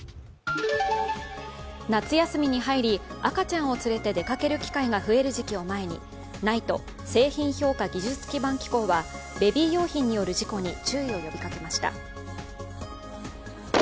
夏休みに入り、赤ちゃんをつれて出かける時期を前にＮＩＴＥ＝製品評価技術基盤機構はベビー用品による事故に注意を呼びかけました。